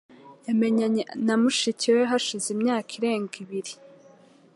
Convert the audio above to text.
Yamenyanye na mushiki we hashize imyaka irenga ibiri